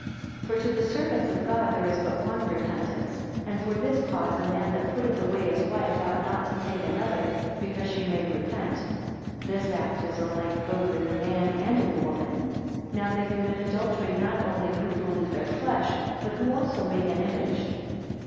8 For, to the servants of God, there is but one repentance; and for this cause a man that putteth away his wife ought not to take another, because she may repent. 9 This act is alike both in the man and in the woman. Now they commit adultery, not only who pollute their flesh, but who also make an image.